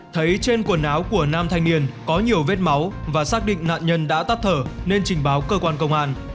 thấy trên quần áo của nam thanh niên có nhiều vết máu và xác định nạn nhân đã tắt thở nên trình báo cơ quan công an